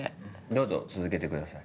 どうぞ続けてください。